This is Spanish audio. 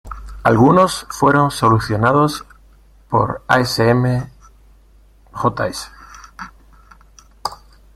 Algunos fueron solucionados por asm.js.